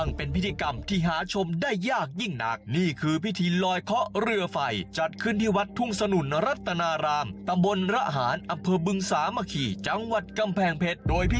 โดยพิธีนี้ยังมีอีกบางพิธีกรรมที่ลอยสิ่งไม่ดีไปกับสายน้ำ